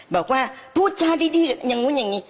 บอกว่าพูดจาดีอย่างนู้นอย่างนี้